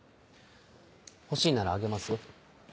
欲しいならあげますよ。